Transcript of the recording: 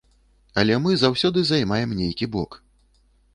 Але мы заўсёды займаем нейкі бок.